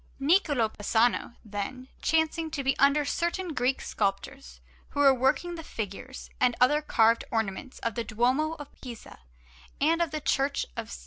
Niccola Pisano, then, chancing to be under certain Greek sculptors who were working the figures and other carved ornaments of the Duomo of Pisa and of the Church of S.